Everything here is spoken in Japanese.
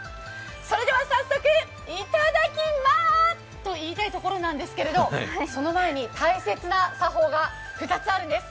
それでは早速いただきますと言いたいところなんですがその前に、大切な作法が２つあるんです。